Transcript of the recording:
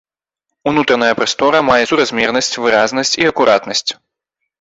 Унутраная прастора мае суразмернасць, выразнасць і акуратнасць.